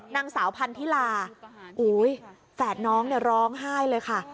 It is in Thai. นางสาวพันธิลาแฝดน้องร้องไห้เลยค่ะ